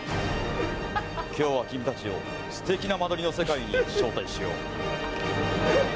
きょうは君たちをすてきな間取りの世界に招待しよう。